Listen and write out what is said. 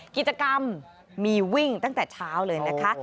กิจกรรมมีวิ่งตั้งแต่เช้าเลยนะคะ